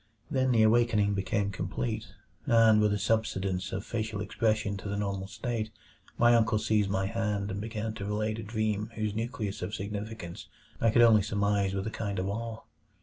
Then the awakening became complete, and with a subsidence of facial expression to the normal state my uncle seized my hand and began to relate a dream whose nucleus of significance I could only surmise with a kind of awe.